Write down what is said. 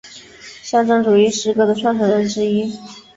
象征主义诗歌的创始人之一。